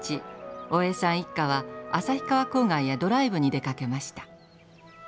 大江さん一家は旭川郊外へドライブに出かけました。